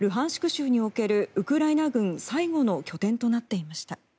州におけるウクライナ軍最後の拠点となっていました。